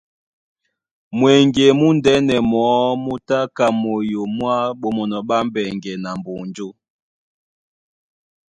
Mweŋge múndɛ̄nɛ mɔɔ́ mú tá ka moyo mwá Ɓomɔnɔ ɓá Mbɛŋgɛ na Mbonjó.